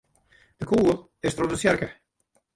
De kûgel is troch de tsjerke.